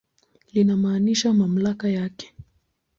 Linamaanisha mamlaka yake.